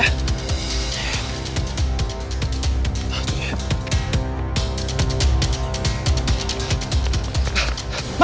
tunggu dulu ya